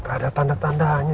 gak ada tanda tandanya